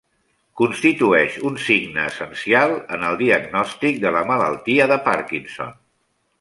Constitueix un signe essencial en el diagnòstic de la malaltia de Parkinson.